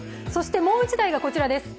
もう１台がこちらです。